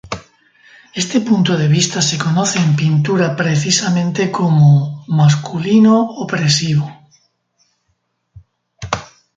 Este punto de vista se conoce en pintura precisamente como "masculino-opresivo".